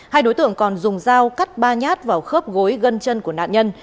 hai đối tượng còn dùng dao cắt ba nhát vào khớp gối gân chân của nạn nhân